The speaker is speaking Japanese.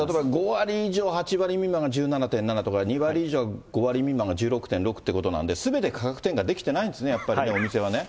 ５割以上８割未満が１７．７とか、２割以上、５割以上が１６．６ということで、すべて価格転嫁できていないんですね、お店はね。